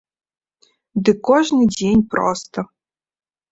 Ды кожны дзень проста!